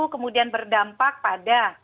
kemudian berdampak pada